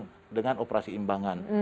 dilakukan dengan operasi imbangan